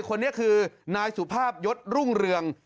คนนี้คือนายสุภาพยศรุ่งเรือง